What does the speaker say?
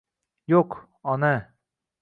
Yo'q, ona.